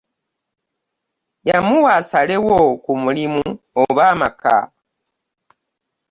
Yamuwa asaewo ku mulimu oba amaka .